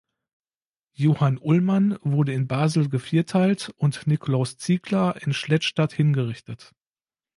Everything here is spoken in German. Johann Ullmann wurde in Basel gevierteilt und Nicolaus Ziegler in Schlettstadt hingerichtet.